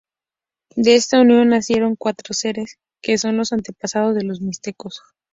De esta unión nacieron cuatro seres, que son los antepasados de los mixtecos.